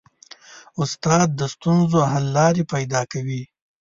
استاد د ستونزو حل لارې پیدا کوي.